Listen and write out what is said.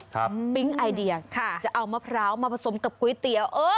ครับไอเดียค่ะจะเอามะพร้าวมาผสมกับก๋วยเตี๋ยวเออ